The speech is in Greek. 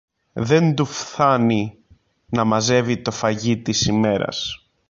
Δεν του φθάνει να μαζεύει το φαγί της ημέρας